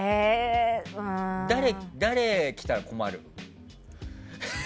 誰来たら困る？